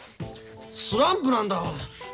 スランプなんだ。